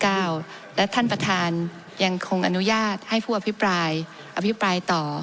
และท่านประธานยังคงอนุญาตให้ผู้อภิปรายอภิปรายต่อ